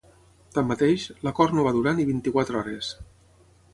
Tanmateix, l’acord no va durar ni vint-i-quatre hores.